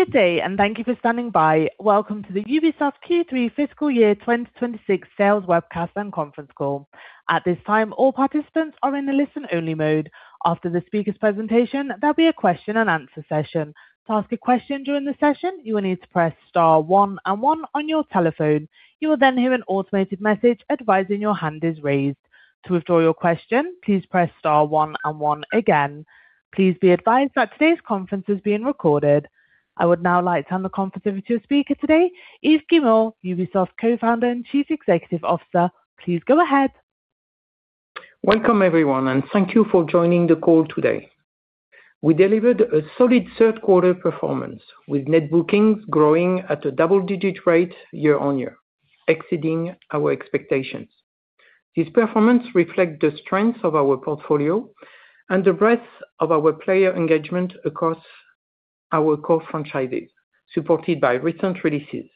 Good day, and thank you for standing by. Welcome to the Ubisoft Q3 Fiscal Year 2026 Sales Webcast and Conference Call. At this time, all participants are in a listen-only mode. After the speaker's presentation, there'll be a question-and-answer session. To ask a question during the session, you will need to press star one and one on your telephone. You will then hear an automated message advising your hand is raised. To withdraw your question, please press star one and one again. Please be advised that today's conference is being recorded. I would now like to hand the conference over to our speaker today, Yves Guillemot, Ubisoft's Co-Founder and Chief Executive Officer. Please go ahead. Welcome, everyone, and thank you for joining the call today. We delivered a solid third quarter performance, with net bookings growing at a double-digit rate year-over-year, exceeding our expectations. This performance reflect the strength of our portfolio and the breadth of our player engagement across our core franchises, supported by recent releases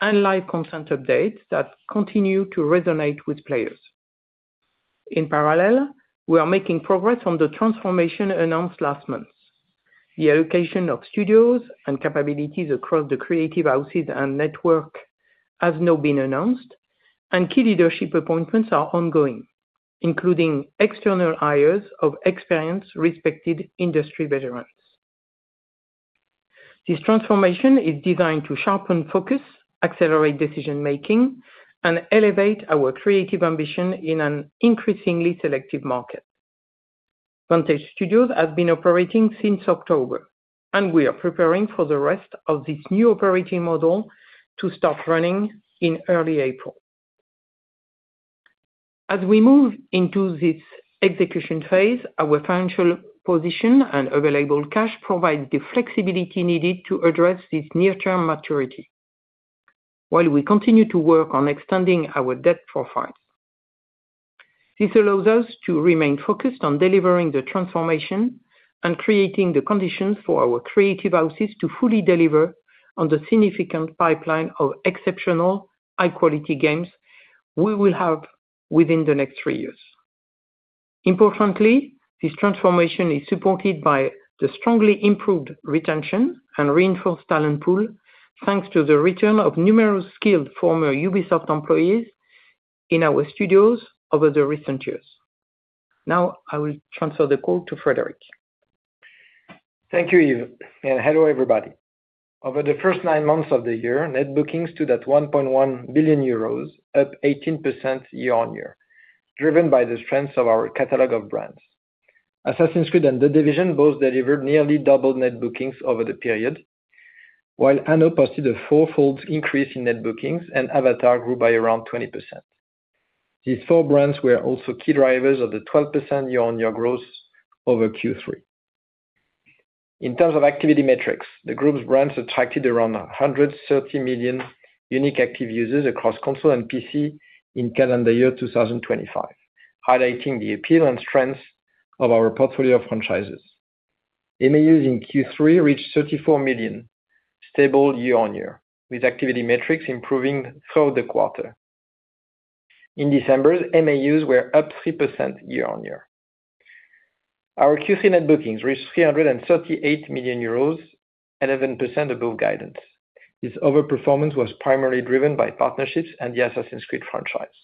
and live content updates that continue to resonate with players. In parallel, we are making progress on the transformation announced last month. The allocation of studios and capabilities across the creative houses and network has now been announced, and key leadership appointments are ongoing, including external hires of experienced, respected industry veterans. This transformation is designed to sharpen focus, accelerate decision-making, and elevate our creative ambition in an increasingly selective market. Vantage Studios has been operating since October, and we are preparing for the rest of this new operating model to start running in early April. As we move into this execution phase, our financial position and available cash provide the flexibility needed to address this near-term maturity, while we continue to work on extending our debt profile. This allows us to remain focused on delivering the transformation and creating the conditions for our creative houses to fully deliver on the significant pipeline of exceptional, high-quality games we will have within the next three years. Importantly, this transformation is supported by the strongly improved retention and reinforced talent pool, thanks to the return of numerous skilled former Ubisoft employees in our studios over the recent years. Now, I will transfer the call to Frédérick. Thank you, Yves, and hello, everybody. Over the first nine months of the year, net bookings stood at 1.1 billion euros, up 18% year-on-year, driven by the strength of our catalog of brands. Assassin's Creed and The Division both delivered nearly double net bookings over the period, while Anno posted a fourfold increase in net bookings and Avatar grew by around 20%. These four brands were also key drivers of the 12% year-on-year growth over Q3. In terms of activity metrics, the group's brands attracted around 130 million unique active users across console and PC in calendar year 2025, highlighting the appeal and strength of our portfolio of franchises. MAUs in Q3 reached 34 million, stable year-on-year, with activity metrics improving throughout the quarter. In December, MAUs were up 3% year-on-year. Our Q3 net bookings reached 338 million euros, 11% above guidance. This overperformance was primarily driven by partnerships and the Assassin's Creed franchise.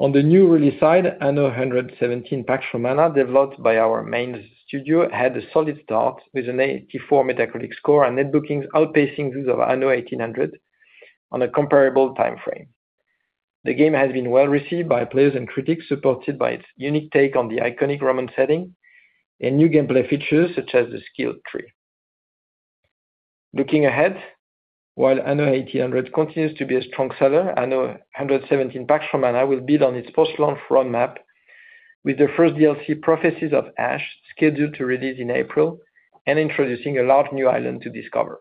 On the new release side, Anno 117: Pax Romana, developed by our Mainz studio, had a solid start with an 84 Metacritic score and net bookings outpacing those of Anno 1800 on a comparable timeframe. The game has been well received by players and critics, supported by its unique take on the iconic Roman setting and new gameplay features, such as the skill tree. Looking ahead, while Anno 1800 continues to be a strong seller, Anno 117: Pax Romana will build on its post-launch roadmap with the first DLC, Prophecies of Ash, scheduled to release in April and introducing a large new island to discover.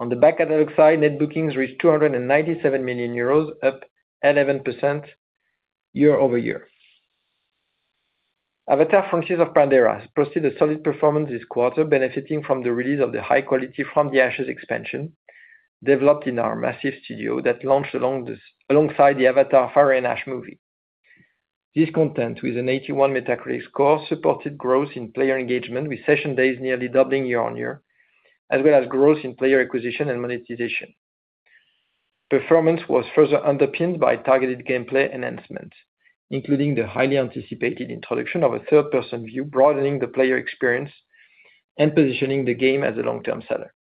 On the back catalog side, net bookings reached 297 million euros, up 11% year-over-year. Avatar: Frontiers of Pandora has posted a solid performance this quarter, benefiting from the release of the high-quality From the Ashes expansion, developed in our Massive studio that launched alongside the Avatar: Fire and Ash movie. This content, with an 81 Metacritic score, supported growth in player engagement, with session days nearly doubling year-on-year, as well as growth in player acquisition and monetization. Performance was further underpinned by targeted gameplay enhancements, including the highly anticipated introduction of a third-person view, broadening the player experience and positioning the game as a long-term seller.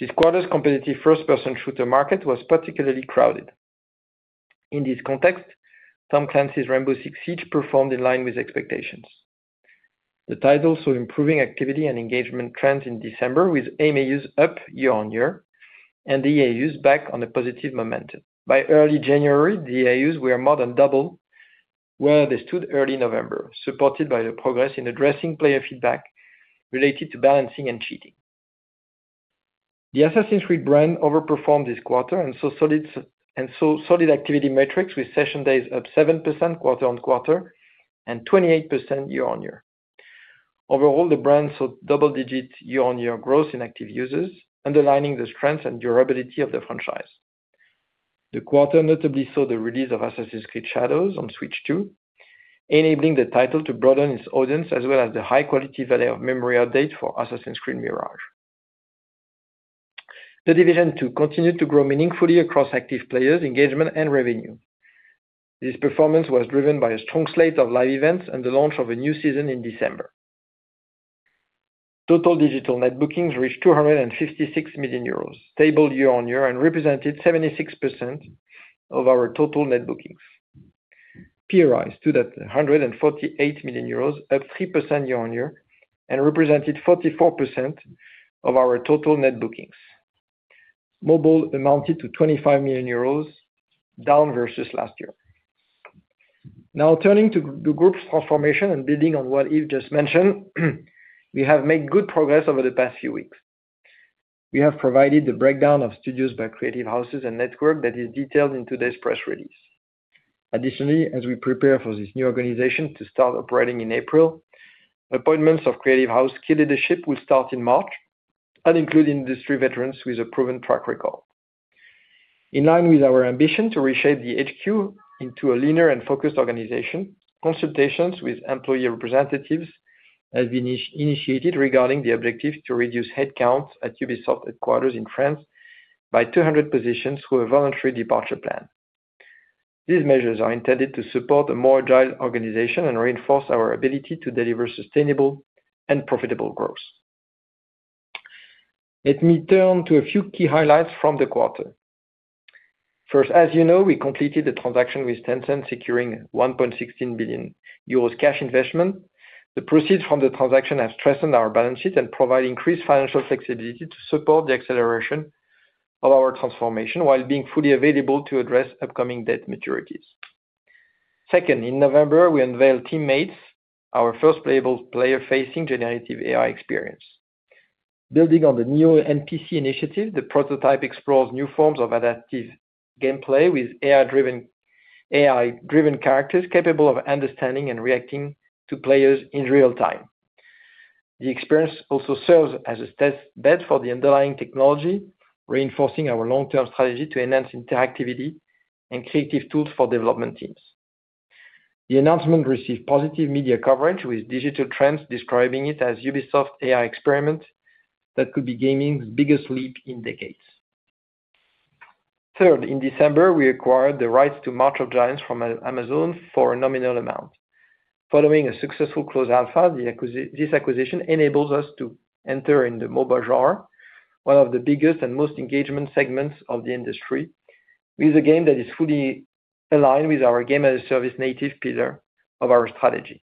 This quarter's competitive first-person shooter market was particularly crowded. In this context, Tom Clancy's Rainbow Six Siege performed in line with expectations. The title saw improving activity and engagement trends in December, with MAUs up year-over-year and the DAUs back on a positive momentum. By early January, the DAUs were more than double where they stood early November, supported by the progress in addressing player feedback related to balancing and cheating. The Assassin's Creed brand overperformed this quarter and saw solid activity metrics, with session days up 7% quarter-over-quarter and 28% year-over-year. Overall, the brand saw double-digit year-over-year growth in active users, underlining the strength and durability of the franchise. The quarter notably saw the release of Assassin's Creed Shadows on Switch 2, enabling the title to broaden its audience, as well as the high-quality Veil of Memory update for Assassin's Creed Mirage. The Division 2 continued to grow meaningfully across active players, engagement, and revenue. This performance was driven by a strong slate of live events and the launch of a new season in December. Total digital net bookings reached 256 million euros, stable year-on-year, and represented 76% of our total net bookings. PRI stood at 148 million euros, up 3% year-on-year, and represented 44% of our total net bookings. Mobile amounted to 25 million euros, down versus last year. Now, turning to the group's transformation and building on what Yves just mentioned, we have made good progress over the past few weeks. We have provided the breakdown of studios by creative houses and network that is detailed in today's press release. Additionally, as we prepare for this new organization to start operating in April, appointments of creative house key leadership will start in March and include industry veterans with a proven track record. In line with our ambition to reshape the HQ into a leaner and focused organization, consultations with employee representatives have been initiated regarding the objective to reduce headcount at Ubisoft headquarters in France by 200 positions through a voluntary departure plan. These measures are intended to support a more agile organization and reinforce our ability to deliver sustainable and profitable growth. Let me turn to a few key highlights from the quarter. First, as you know, we completed the transaction with Tencent, securing 1.16 billion euros cash investment. The proceeds from the transaction have strengthened our balance sheet and provide increased financial flexibility to support the acceleration of our transformation, while being fully available to address upcoming debt maturities. Second, in November, we unveiled Teammates, our first playable player-facing generative AI experience. Building on the new NPC initiative, the prototype explores new forms of adaptive gameplay with AI-driven, AI-driven characters, capable of understanding and reacting to players in real time. The experience also serves as a test bed for the underlying technology, reinforcing our long-term strategy to enhance interactivity and creative tools for development teams. The announcement received positive media coverage, with Digital Trends describing it as Ubisoft AI experiment that could be gaming's biggest leap in decades. Third, in December, we acquired the rights to March of Giants from Amazon for a nominal amount. Following a successful close alpha, this acquisition enables us to enter in the mobile genre, one of the biggest and most engagement segments of the industry, with a game that is fully aligned with our Game-as-a-Service native pillar of our strategy.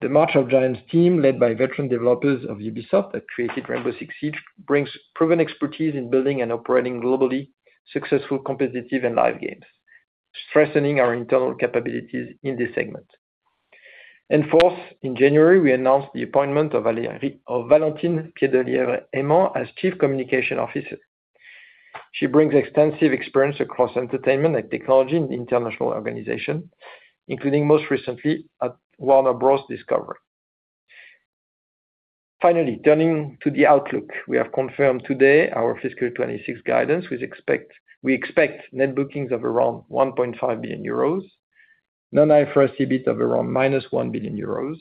The March of Giants team, led by veteran developers of Ubisoft that created Rainbow Six Siege, brings proven expertise in building and operating globally successful, competitive, and live games, strengthening our internal capabilities in this segment. Fourth, in January, we announced the appointment of Valentine Piedelièvre-Eman as Chief Communications Officer. She brings extensive experience across entertainment and technology in the international organization, including, most recently, at Warner Bros. Discovery. Finally, turning to the outlook, we have confirmed today our fiscal 2026 guidance, which we expect net bookings of around 1.5 billion euros, non-IFRS EBIT of around -1 billion euros,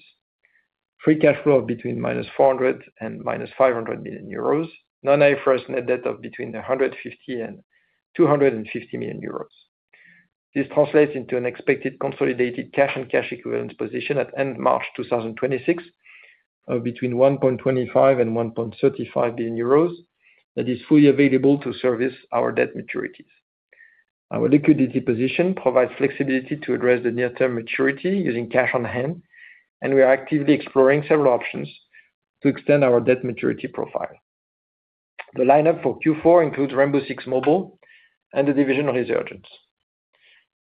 free cash flow of between -400 million and -500 million euros, non-IFRS net debt of between 150 million and 250 million euros. This translates into an expected consolidated cash and cash equivalent position at end March 2026 of between 1.25 billion and 1.35 billion euros, that is fully available to service our debt maturities. Our liquidity position provides flexibility to address the near-term maturity using cash on hand, and we are actively exploring several options to extend our debt maturity profile. The lineup for Q4 includes Rainbow Six Mobile and The Division Resurgence.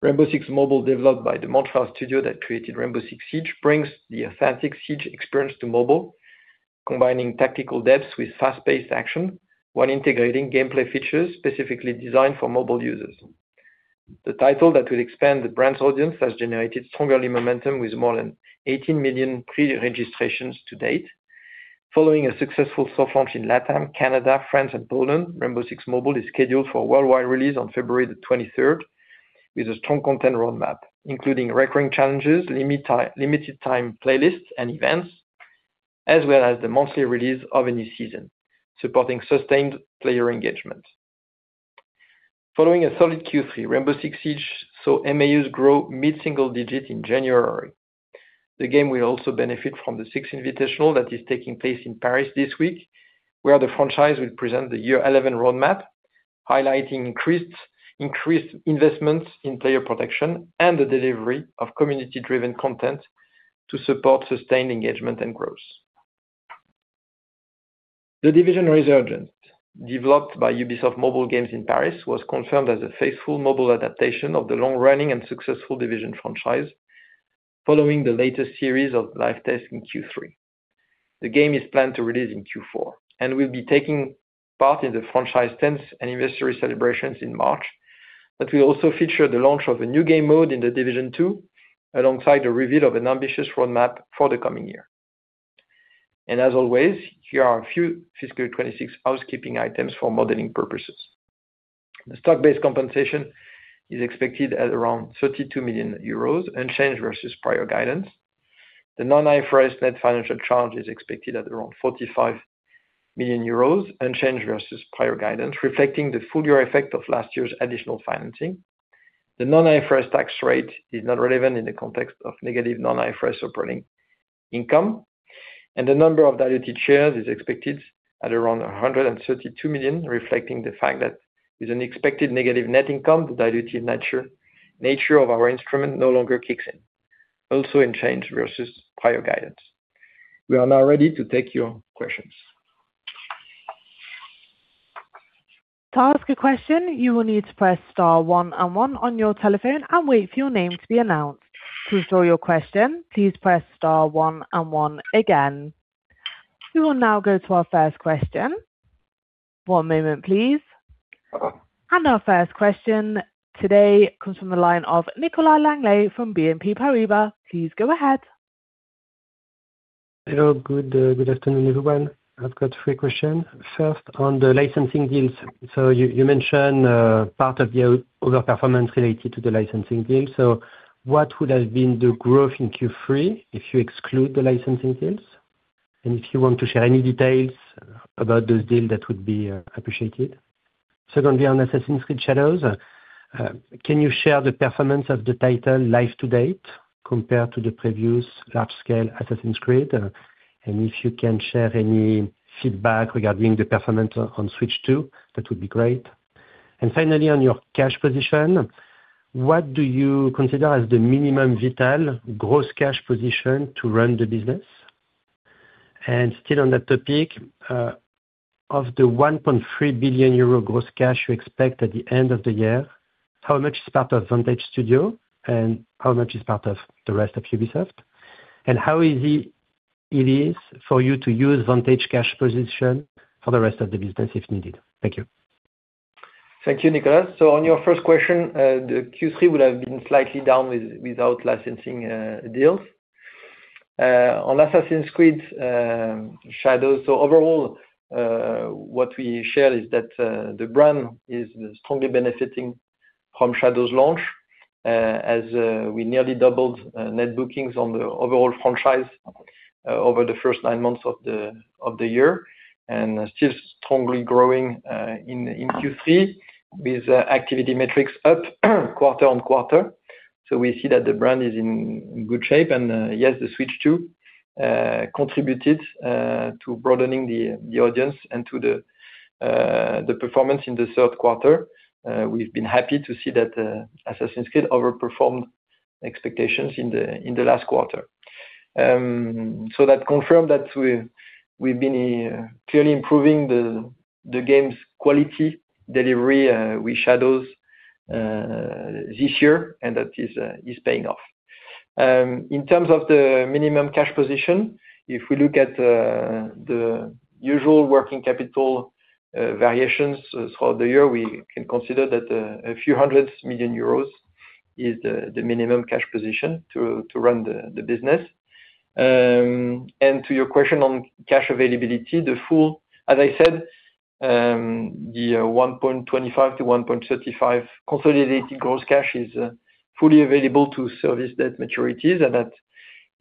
Rainbow Six Mobile, developed by the Montreal studio that created Rainbow Six Siege, brings the authentic Siege experience to mobile, combining tactical depths with fast-paced action, while integrating gameplay features specifically designed for mobile users. The title that will expand the brand's audience has generated strong early momentum, with more than 18 million pre-registrations to date. Following a successful soft launch in LatAm, Canada, France, and Poland, Rainbow Six Mobile is scheduled for a worldwide release on February 23, with a strong content roadmap, including recurring challenges, limited time playlists and events, as well as the monthly release of a new season, supporting sustained player engagement. Following a solid Q3, Rainbow Six Siege saw MAUs grow mid-single digit in January. The game will also benefit from the Six Invitational that is taking place in Paris this week, where the franchise will present the Year 11 roadmap, highlighting increased investments in player protection and the delivery of community-driven content to support sustained engagement and growth. The Division Resurgence, developed by Ubisoft Mobile Games in Paris, was confirmed as a faithful mobile adaptation of the long-running and successful Division franchise. Following the latest series of live tests in Q3, the game is planned to release in Q4 and will be taking part in the franchise tenth anniversary celebrations in March. But we also feature the launch of a new game mode in The Division 2, alongside a reveal of an ambitious roadmap for the coming year. And as always, here are a few fiscal 2026 housekeeping items for modeling purposes. The stock-based compensation is expected at around 32 million euros, unchanged versus prior guidance. The non-IFRS net financial charge is expected at around 45 million euros, unchanged versus prior guidance, reflecting the full year effect of last year's additional financing. The non-IFRS tax rate is not relevant in the context of negative non-IFRS operating income, and the number of diluted shares is expected at around 132 million, reflecting the fact that with an expected negative net income, the dilutive nature of our instrument no longer kicks in. Also unchanged versus prior guidance. We are now ready to take your questions. To ask a question, you will need to press star one and one on your telephone and wait for your name to be announced. To restore your question, please press star one and one again. We will now go to our first question. One moment, please. Our first question today comes from the line of Nicolas Langlet from BNP Paribas. Please go ahead. Hello. Good afternoon, everyone. I've got three questions. First, on the licensing deals. So you mentioned part of your overperformance related to the licensing deal. So what would have been the growth in Q3 if you exclude the licensing deals? And if you want to share any details about those deals, that would be appreciated. Secondly, on Assassin's Creed Shadows, can you share the performance of the title life-to-date compared to the previous large-scale Assassin's Creed? And if you can share any feedback regarding the performance on Switch 2, that would be great. And finally, on your cash position, what do you consider as the minimum vital gross cash position to run the business? Still on that topic, of the 1.3 billion euro gross cash you expect at the end of the year, how much is part of Vantage Studios, and how much is part of the rest of Ubisoft? And how easy it is for you to use Vantage cash position for the rest of the business if needed? Thank you. Thank you, Nicolas. So on your first question, the Q3 would have been slightly down without licensing deals. On Assassin's Creed Shadows, so overall, what we share is that the brand is strongly benefiting from Shadows launch, as we nearly doubled net bookings on the overall franchise over the first nine months of the year, and still strongly growing in Q3, with activity metrics up quarter on quarter. So we see that the brand is in good shape, and yes, the Switch 2 contributed to broadening the audience and to the performance in the third quarter. We've been happy to see that Assassin's Creed overperformed expectations in the last quarter. So that confirmed that we've been clearly improving the game's quality delivery with Shadows this year, and that is paying off. In terms of the minimum cash position, if we look at the usual working capital variations throughout the year, we can consider that a few hundred million EUR is the minimum cash position to run the business. To your question on cash availability, the full, as I said, the 1.25 billion-1.35 billion consolidated gross cash is fully available to service debt maturities, and that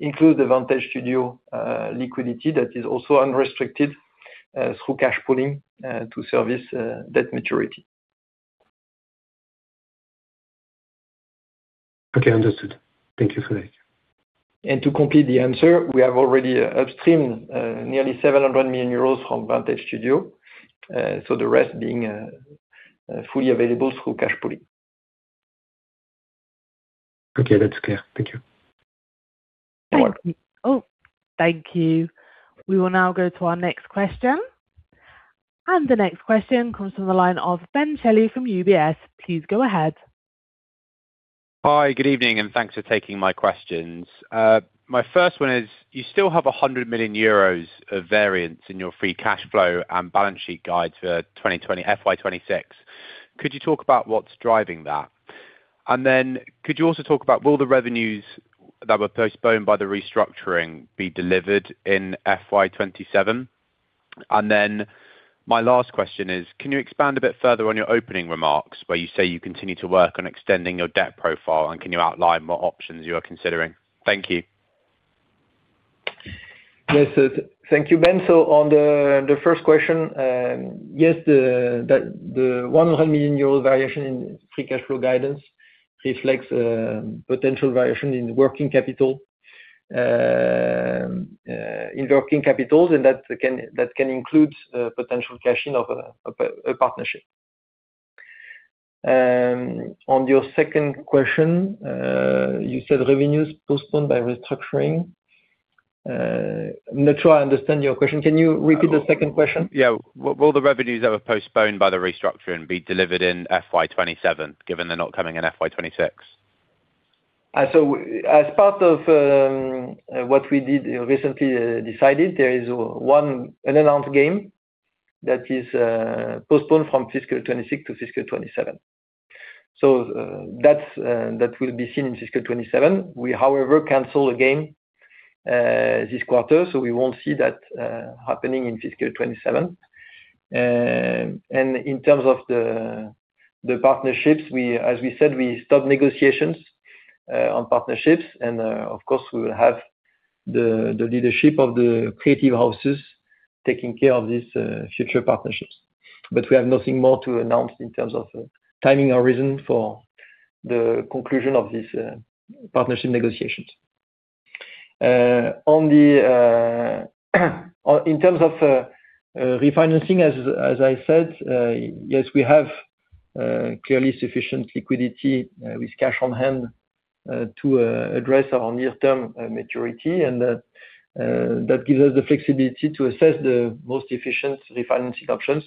includes the Vantage Studios liquidity that is also unrestricted through cash pooling to service debt maturity. Okay, understood. Thank you for that. To complete the answer, we have already upstreamed nearly 700 million euros from Vantage Studios, so the rest being fully available through cash pooling. Okay, that's clear. Thank you. Thank you. Oh, thank you. We will now go to our next question. The next question comes from the line of Ben Shelley from UBS. Please go ahead. Hi, good evening, and thanks for taking my questions. My first one is, you still have 100 million euros of variance in your free cash flow and balance sheet guide for FY 2026. Could you talk about what's driving that? And then could you also talk about, will the revenues that were postponed by the restructuring be delivered in FY 2027? And then my last question is, can you expand a bit further on your opening remarks, where you say you continue to work on extending your debt profile, and can you outline what options you are considering? Thank you. Yes, sir. Thank you, Ben. So on the first question, yes, the 100 million euro variation in free cash flow guidance reflects potential variation in working capital, in working capitals, and that can include potential cashing of a partnership. On your second question, you said revenues postponed by restructuring. I'm not sure I understand your question. Can you repeat the second question? Yeah. Will, will the revenues that were postponed by the restructuring be delivered in FY 2027, given they're not coming in FY 2026? So as part of what we did recently decided there is one unannounced game that is postponed from fiscal 2026 to fiscal 2027. So, that's that will be seen in fiscal 2027. We, however, canceled again this quarter, so we won't see that happening in fiscal 2027. And in terms of the partnerships, we, as we said, we stopped negotiations on partnerships, and of course, we will have the leadership of the creative houses taking care of these future partnerships. But we have nothing more to announce in terms of timing or reason for the conclusion of these partnership negotiations. In terms of refinancing, as I said, yes, we have clearly sufficient liquidity with cash on hand to address our near-term maturity, and that gives us the flexibility to assess the most efficient refinancing options,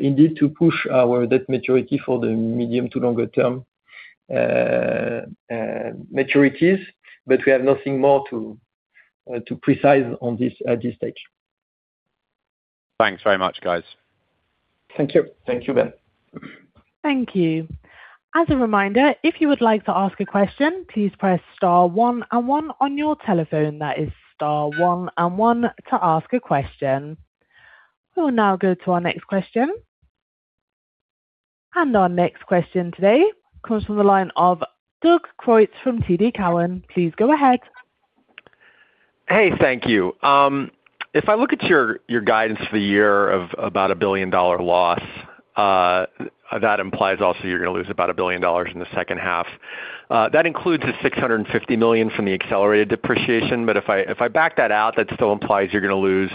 indeed, to push our debt maturity for the medium- to longer-term maturities. But we have nothing more to specify on this at this stage. Thanks very much, guys. Thank you. Thank you, Ben. Thank you. As a reminder, if you would like to ask a question, please press star one and one on your telephone. That is star one and one to ask a question. We will now go to our next question. Our next question today comes from the line of Doug Creutz from TD Cowen. Please go ahead. Hey, thank you. If I look at your guidance for the year of about a $1 billion loss, that implies also you're gonna lose about $1 billion in the second half. That includes the 650 million from the accelerated depreciation, but if I back that out, that still implies you're gonna lose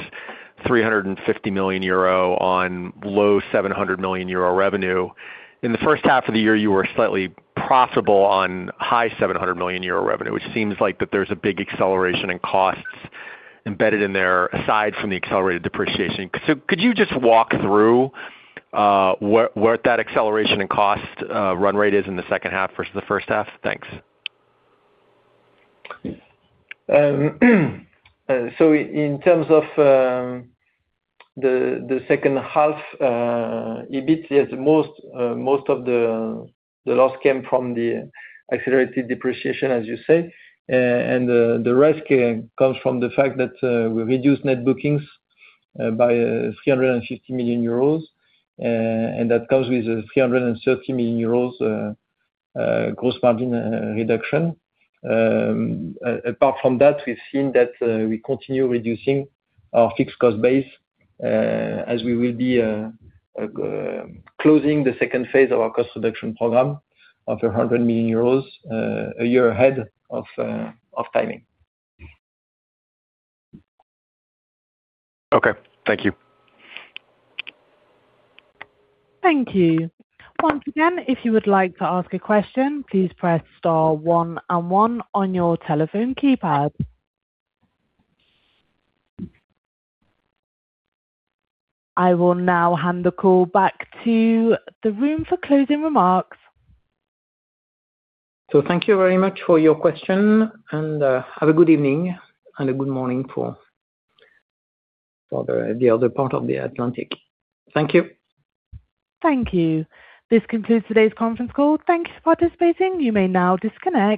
350 million euro on low 700 million euro revenue. In the first half of the year, you were slightly profitable on high 700 million euro revenue, which seems like that there's a big acceleration in costs embedded in there, aside from the accelerated depreciation. So could you just walk through what that acceleration in cost run rate is in the second half versus the first half? Thanks. So in terms of the second half, EBIT, yes, most of the loss came from the accelerated depreciation, as you say. And the rest comes from the fact that we reduced net bookings by 350 million euros, and that comes with a 330 million euros gross margin reduction. Apart from that, we've seen that we continue reducing our fixed cost base, as we will be closing the second phase of our cost reduction program of 100 million euros, a year ahead of timing. Okay. Thank you. Thank you. Once again, if you would like to ask a question, please press star 1 and 1 on your telephone keypad. I will now hand the call back to the room for closing remarks. So thank you very much for your question, and have a good evening and a good morning for the other part of the Atlantic. Thank you. Thank you. This concludes today's conference call. Thank you for participating. You may now disconnect.